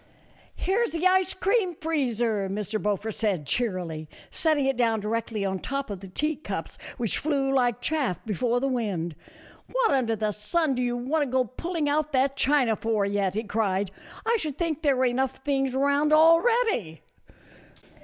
"Here's the ice cream freezer," Mr. Beaufort said, cheerily, setting it down directly on top of the teacups, which flew like chaff before the wind. " What under the sun do you want to go pulling out that china for yet ?" he cried ;" I should think there were enough things around already."